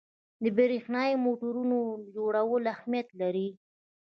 د برېښنايي موټورونو جوړول اهمیت لري.